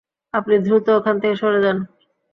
আপনি দ্রুত ওখান থেকে সরে যান!